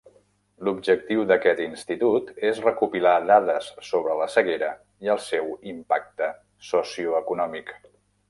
L'objectiu d'aquest institut és recopilar dades sobre la ceguera i el seu impacte socioeconòmic.